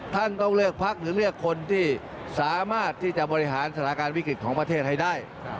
ต้องเลือกพักหรือเลือกคนที่สามารถที่จะบริหารสถานการณ์วิกฤตของประเทศให้ได้